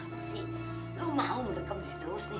kenapa sih lu mau merekam di sini terus nih